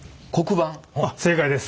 正解です！